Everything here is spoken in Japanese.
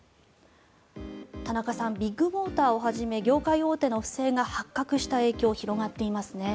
田中さんビッグモーターをはじめ業界大手の不正が発覚した影響が広がっていますね。